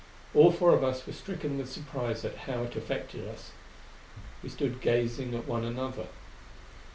All four of us were stricken with surprise at how it affected us. We stood gazing at one another.